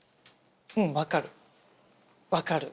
うん分かる分かる。